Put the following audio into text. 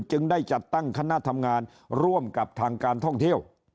จึงได้จัดตั้งคณะทำงานร่วมกับทางการท่องเที่ยว